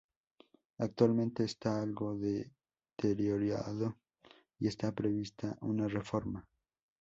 Actualmente está algo deteriorado y está prevista una reforma.